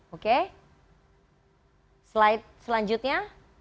oke slide selanjutnya